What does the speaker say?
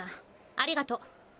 ありがと。